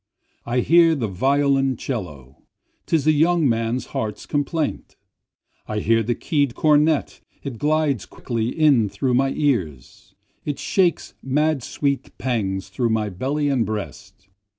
I hear the violoncello, ('tis the young man's heart's complaint,) I hear the key'd cornet, it glides quickly in through my ears, It shakes mad sweet pangs through my belly and breast.